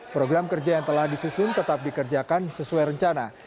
program kerja yang telah disusun tetap dikerjakan sesuai rencana